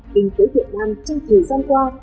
kinh tế việt nam trong thời gian qua